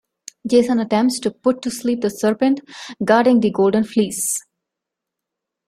Jason attempts to put to sleep the serpent guarding the golden fleece.